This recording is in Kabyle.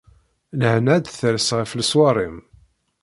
Lehna ad d-ters ɣef leṣwar-im.